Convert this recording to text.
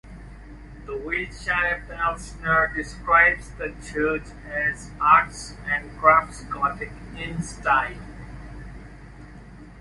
The Wiltshire Pevsner describes the church as "Arts and Crafts Gothic" in style.